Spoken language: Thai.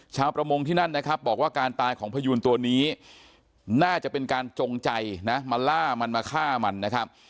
ชาวประมงที่นั่นนะครับบอกว่าการตายของพยูนตัวนี้น่าจะเป็นการจงใจนะมาล่ามันมาฆ่ามันนะครับ